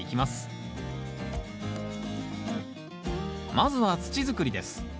まずは土づくりです。